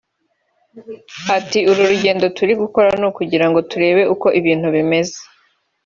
ati “Uru rugendo turi gukora ni ukugira ngo turebe uko ibintu bimeze